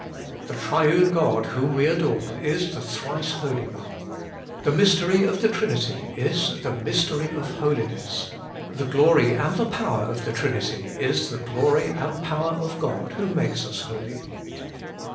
The Triune God whom we adore is the Thrice Holy One : the mystery of the Trinity is the mystery of Holiness : the Glory and the Power of the Trinity is the Glory and Power of God who makes us holy.